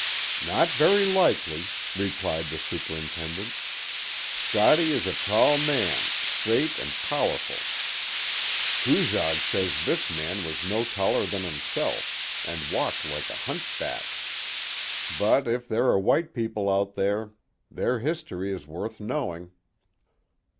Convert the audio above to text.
"Not very likely," replied the superintendent. "Scottie is a tall man, straight and powerful. Coujag says this man was no taller than himself, and walked like a hunchback. But if there are white people out there their history is worth knowing."